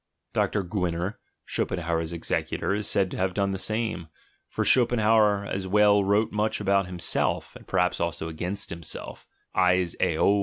Dr. G winner, Schopen hauer's executor, is said to have done the same; for Schopenhauer as well wrote much about himself, and perhaps also against himself (sis eauxov).